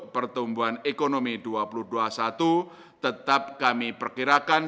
pertumbuhan ekonomi dua ribu dua puluh satu tetap kami perkirakan